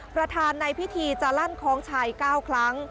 ประธานในพิธีจะลั่นคล้องชัย๙ครั้ง